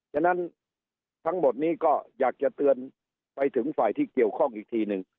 ฉะนั้นทั้งหมดนี้ก็อยากจะเตือนไปถึงฝ่ายที่เกี่ยวข้องอีกทีหนึ่ง